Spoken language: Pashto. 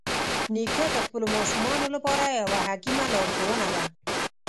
نیکه د خپلو ماشومانو لپاره یوه حکیمه لارښوونه ده.